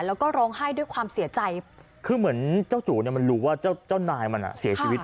แล้วก็ร้องไห้ด้วยความเสียใจคือเหมือนเจ้าจู่เนี่ยมันรู้ว่าเจ้าเจ้านายมันอ่ะเสียชีวิต